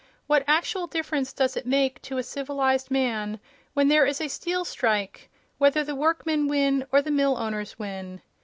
What actual difference does it make to a civilized man, when there is a steel strike, whether the workmen win or the mill owners win?